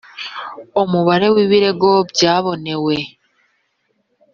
umubare w ibirego byabonewe